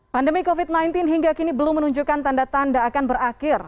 pandemi covid sembilan belas hingga kini belum menunjukkan tanda tanda akan berakhir